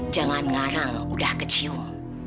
jangan ngarang udah kecium